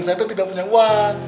saya itu tidak punya uang